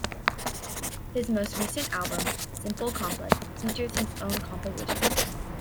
His most recent album, "Simple Complex", features his own compositions.